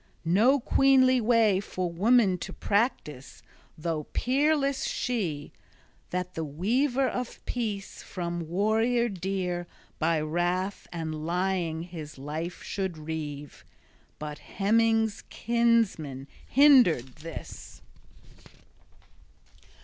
No queenly way for woman to practise, though peerless she, that the weaver of peace {27c} from warrior dear by wrath and lying his life should reave! But Hemming's kinsman hindered this.